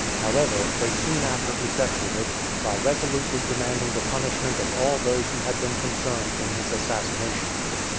However, they soon after effected it, by resolutely demanding the punishment of all those who had been concerned in his assassination.